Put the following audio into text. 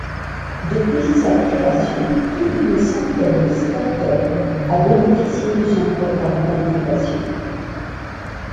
Depuis sa création, plus d'une centaine de startups a bénéficié de son programme d'incubation.